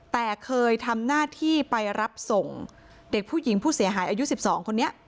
แต่เคยทำหน้าที่ไปรับส่งเด็กผู้หญิงผู้เสียหายอายุ๑๒คนเนี้ยที่โรงเรียนเป็นประจำ